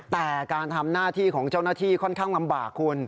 แต่การทำหน้าที่ของเจ้าหน้าที่ค่อนข้างลำบากคุณ